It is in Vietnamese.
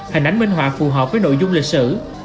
hành ánh minh họa phù hợp với nội dung lịch sử